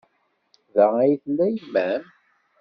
Da ay tella yemma-m?